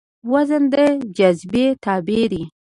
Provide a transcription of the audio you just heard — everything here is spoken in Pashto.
وزن د جاذبې تابع دی.